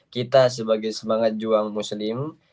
kita sebagai semangat juang muslim